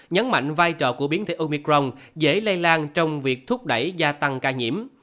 nhấn mạnh vai trò của biến thể omicron dễ lây lan trong việc thúc đẩy gia tăng ca nhiễm